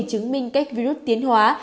chứng minh cách virus tiến hóa